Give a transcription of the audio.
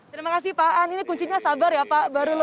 terima kasih pak ini kuncinya sabar ya pak